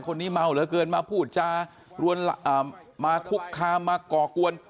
คนนี้เมาเหลือเกินมาพูดจารวนมาคุกคามมาก่อกวน